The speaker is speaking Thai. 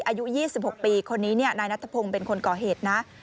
อายุ๒๖ปีคนนี้นายนัทพงศ์เป็นคนก่อเหตุนะ